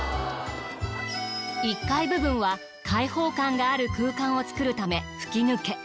１階部分は開放感がある空間を作るため吹き抜け。